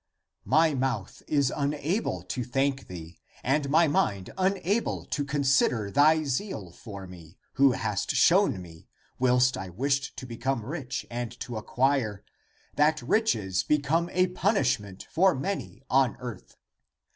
My mouth is unable to thank thee, and my mind unable to consider thy zeal for me; who hast shown me, whilst I wished to become rich and to acquire, that riches become a punishment for many on earth.